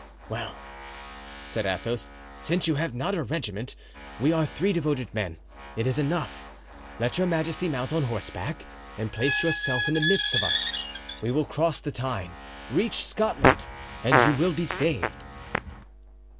"Well!" said Athos, "since you have not a regiment, we are three devoted men. It is enough. Let your majesty mount on horseback and place yourself in the midst of us; we will cross the Tyne, reach Scotland, and you will be saved."